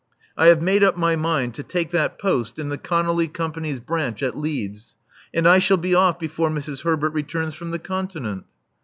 I have made up my mind to take that post in the ConoUy Company's branch at Leeds; and I shall be off before Mrs. Herbert returns from the continent."